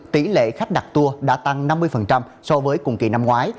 tỷ lệ khách đặt tour đã tăng năm mươi so với cùng kỳ năm ngoái